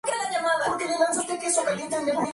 Su espectáculo apareció en el espíritu del álbum próximo.